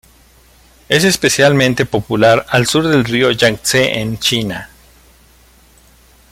Es especialmente popular al sur del río Yangtze en China.